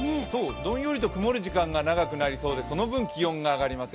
どんよりと曇る時間が長くなりそうで、その分気温が上がりません。